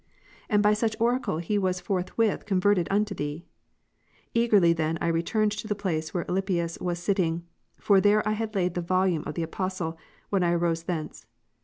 And by such oracle he was forthwith converted unto Thee. Sagerly then I returned to the place Avhere Alypius was sitting ; for there had I laid the volume of the Apostle, when I arose thence.